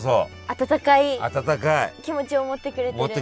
温かい気持ちを持ってくれてる？